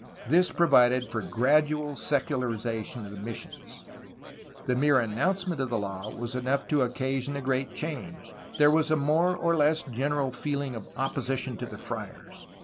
This provided for gradual secularization of the missions. The mere announcement of the law was enough to occasion a great change. There was a more or less general feeling of opposition to the friars.